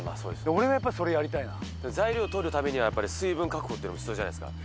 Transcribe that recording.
俺はやっぱりそれやりたいな材料とるためには水分確保っていうのも必要じゃないですか